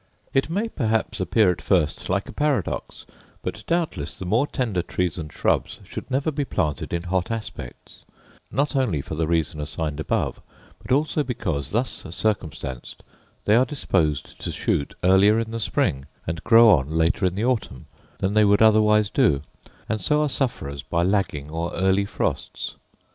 It may perhaps appear at first like a paradox; but doubtless the more tender trees and shrubs should never be planted in hot aspects; not only for the reason assigned above, but also because, thus circumstanced, they are disposed to shoot earlier in the spring, and grow on later in the autumn than they would otherwise do, and so are sufferers by lagging or early frosts.